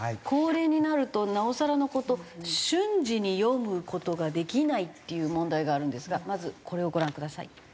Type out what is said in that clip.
高齢になるとなおさらの事瞬時に読む事ができないっていう問題があるんですがまずこれをご覧ください。